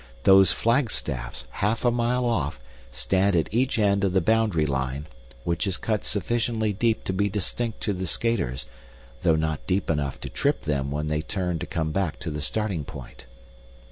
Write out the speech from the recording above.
Those flagstaffs, half a mile off, stand at each end of the boundary line, which is cut sufficiently deep to be distinct to the skaters, though not deep enough to trip them when they turn to come back to the starting point.